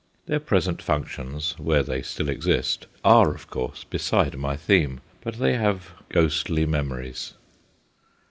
Their present functions where they still exist are of course beside my theme, but they have ghostly memories.